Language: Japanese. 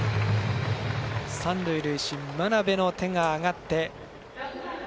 三塁塁審、眞鍋の手が上がって。